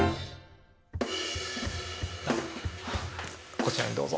こちらにどうぞ。